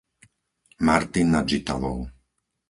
Martin nad Žitavou